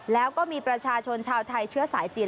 แล้วก็มีประชาชนชาวไทยเชื้อสายจีน